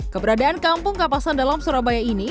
keberadaan kampung kapasan dalam surabaya ini